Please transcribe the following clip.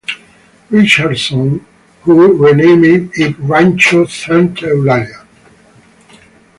Richardson, who renamed it Rancho Santa Eulalia.